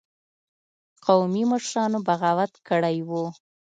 قومي مشرانو بغاوت کړی وو.